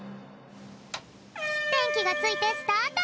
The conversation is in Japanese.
でんきがついてスタート！